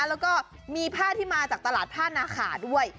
แล้วก็มีผ้าที่มาจากตลาดผ้านาขาด้วย